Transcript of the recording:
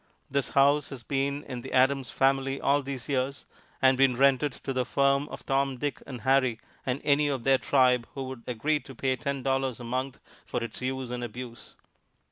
This house has been in the Adams family all these years and been rented to the firm of Tom, Dick and Harry, and any of their tribe who would agree to pay ten dollars a month for its use and abuse.